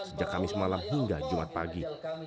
sejak kamis malam hingga jumat pagi